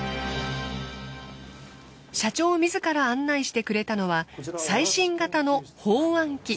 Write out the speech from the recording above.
社長自ら案内してくれたのは最新型の包あん機。